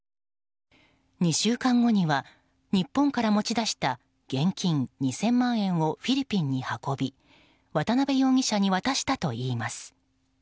２週間後には日本から持ち出した現金２０００万円をフィリピンに運び、渡辺容疑者に渡したといいます。